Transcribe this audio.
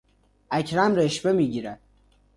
اکرم رشوه میگیرد.